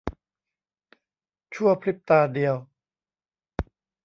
ชั่วพริบตาเดียว